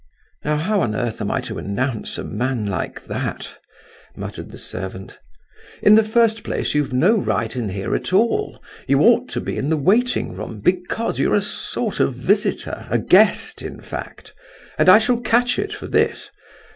"Now how on earth am I to announce a man like that?" muttered the servant. "In the first place, you've no right in here at all; you ought to be in the waiting room, because you're a sort of visitor—a guest, in fact—and I shall catch it for this.